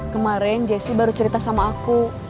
kemarin jessi baru cerita sama aku